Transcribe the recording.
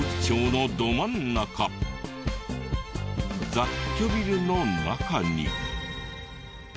雑居ビルの中に。